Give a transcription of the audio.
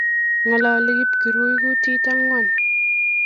Ngalali Kipkurui kutit angwan